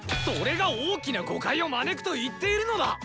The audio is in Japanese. それが大きな誤解を招くと言っているのだ！